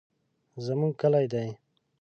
زمونږ کلي دي.